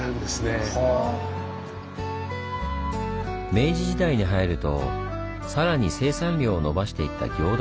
明治時代に入るとさらに生産量を伸ばしていった行田足袋。